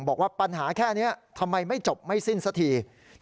บอกว่าปัญหาแค่นี้ทำไมไม่จบไม่สิ้นสักที